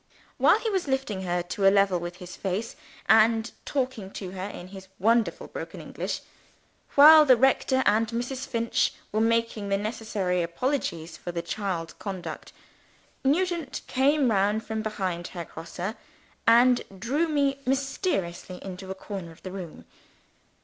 While he was lifting her to a level with his face, and talking to her in his wonderful broken English while the rector and Mrs. Finch were making the necessary apologies for the child's conduct Nugent came round from behind Herr Grosse, and drew me mysteriously into a corner of the room.